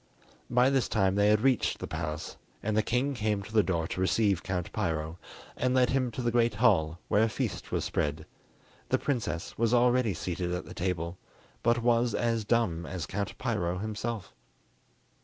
By this time they had reached the palace, and the king came to the door to receive Count Piro, and led him to the great hall, where a feast was spread. The princess was already seated at the table, but was as dumb as Count Piro himself.